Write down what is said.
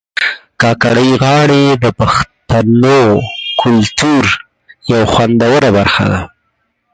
کاکړۍ غاړي د پښتنو کلتور یو خوندوره برخه ده